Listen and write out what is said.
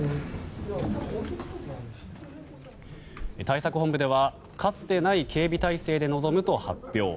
対策本部では、かつてない警備態勢で臨むと発表。